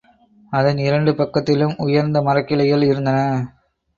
அதன் இரண்டு பக்கத்திலும் உயர்ந்த மரக்கிளைகள் இருந்தன.